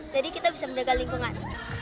jadi kita bisa menjaga lingkungan